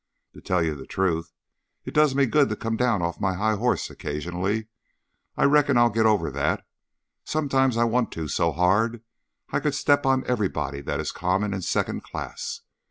To tell you the truth, it does me good to come down off my high horse occasionally. I reckon I'll get over that; sometimes I want to so hard I could step on everybody that is common and second class.